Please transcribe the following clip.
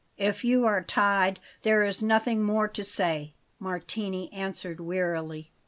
"If you are tied, there is nothing more to say," Martini answered wearily.